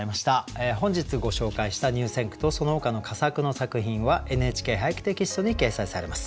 本日ご紹介した入選句とそのほかの佳作の作品は「ＮＨＫ俳句」テキストに掲載されます。